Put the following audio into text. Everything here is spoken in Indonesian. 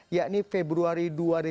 yakni februari dua ribu sembilan belas